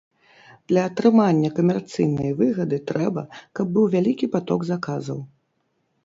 Для атрымання камерцыйнай выгады трэба, каб быў вялікі паток заказаў.